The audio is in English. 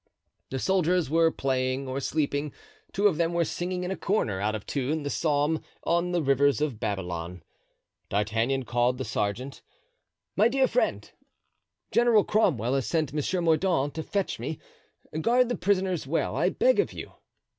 The soldiers were playing or sleeping; two of them were singing in a corner, out of tune, the psalm: "On the rivers of Babylon." D'Artagnan called the sergeant. "My dear friend, General Cromwell has sent Monsieur Mordaunt to fetch me. Guard the prisoners well, I beg of you."